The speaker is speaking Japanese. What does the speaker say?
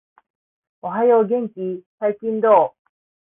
おはよう、元気ー？、最近どう？？